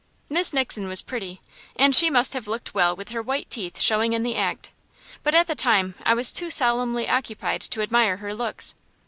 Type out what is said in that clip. Miss Nixon was pretty, and she must have looked well with her white teeth showing in the act; but at the time I was too solemnly occupied to admire her looks.